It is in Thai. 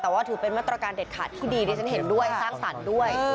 แต่ว่าถือเป็นมาตรการเด็ดขาดที่ดีดิฉันเห็นด้วยสร้างสรรค์ด้วย